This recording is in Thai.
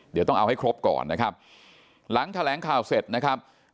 เดี๋ยวต้องเอาให้ครบก่อนนะครับหลังแถลงข่าวเสร็จนะครับ